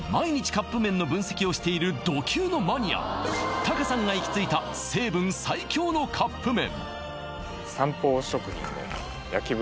カップ麺の分析をしているど級のマニアＴＡＫＡさんが行き着いた成分最強のカップ麺サンポー食品の焼豚